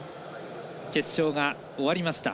決勝が終わりました。